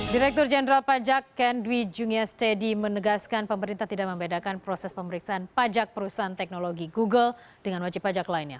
direktur jenderal pajak ken dwi jungiastedi menegaskan pemerintah tidak membedakan proses pemeriksaan pajak perusahaan teknologi google dengan wajib pajak lainnya